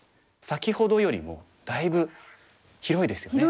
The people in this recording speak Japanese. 先ほどよりもだいぶ広いですよね。